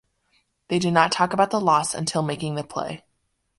They did not talk about the loss until making the play.